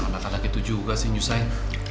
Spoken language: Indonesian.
anak anak itu juga sih nyuciin